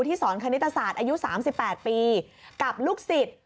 สอนคณิตศาสตร์อายุ๓๘ปีกับลูกศิษย์